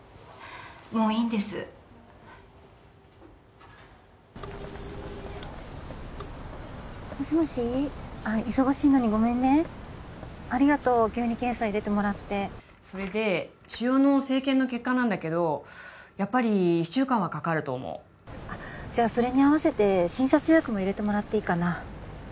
もういいんですもしもしあっ忙しいのにごめんねありがとう急に検査入れてもらってそれで腫瘍の生検の結果なんだけどやっぱり一週間はかかると思うじゃそれに合わせて診察予約も入れてもらっていいかな？